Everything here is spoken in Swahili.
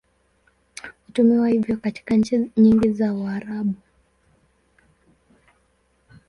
Hutumiwa hivyo katika nchi nyingi za Waarabu.